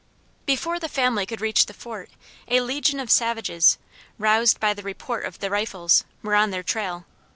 Before the family could reach the fort a legion of savages, roused by the report of the rifles, were on their trail.